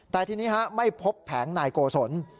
แต่ทีนี้ไม่พบแผงนายโกศล